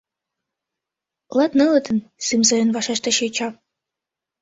— Латнылыт... — сӱмсырын вашештыш йоча.